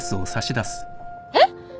えっ？